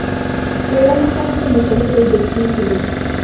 পৌরাণিক সাহিত্য অনুসারে, বেদ একটিই ছিল।